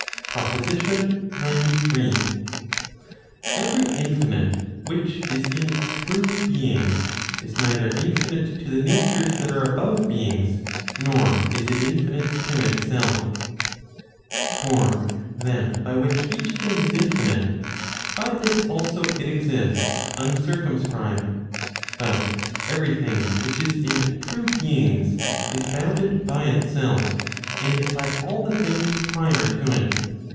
PROPOSITION XCIII. Every infinite which is in [true] beings, is neither infinite to the natures that are above beings, nor is it infinite to itself. For that by which each thing is infinite, by this also it exists uncircum¬ scribed. But every thing which is in [true] beings, is bounded by itself, and by all the things prior to it.